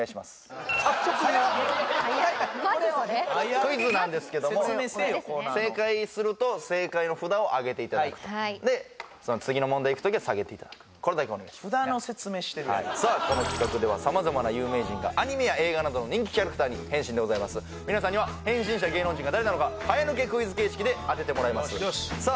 クイズなんですけどもこれだけお願いします札の説明してるやろさあこの企画では様々な有名人がアニメや映画などの人気キャラクターに変身でございます皆さんには変身した芸能人が誰なのか早抜けクイズ形式で当ててもらいますさあ